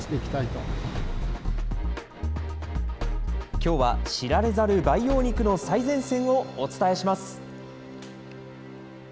きょうは知られざる培養肉の最前線をお伝えします。